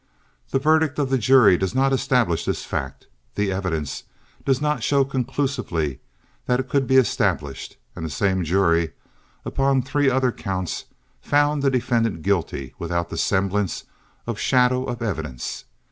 The verdict of the jury does not establish this fact; the evidence does not show conclusively that it could be established; and the same jury, upon three other counts, found the defendant guilty without the semblance of shadow of evidence.